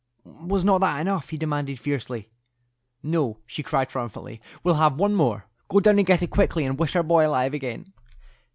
"Was not that enough?" he demanded, fiercely. "No," she cried, triumphantly; "we'll have one more. Go down and get it quickly, and wish our boy alive again."